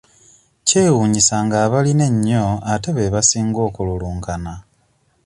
Kyewuunyisa ng'abalina ennyo ate be basinga okululunkana.